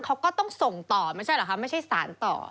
เขาก็ต้องส่งต่อไม่ใช่เหรอคะไม่ใช่สารต่อ